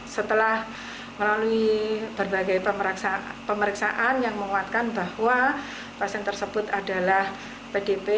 setelah melalui berbagai pemeriksaan yang menguatkan bahwa pasien tersebut adalah pdp